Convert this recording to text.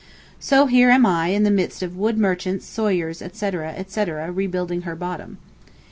So here I am in the midst of wood merchants, sawyers, etc., etc., rebuilding her bottom.